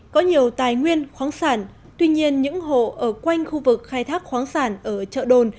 có nhiều tài nguyên khoáng sản tuy nhiên những hộ ở quanh khu vực khai thác khoáng sản ở chợ đồn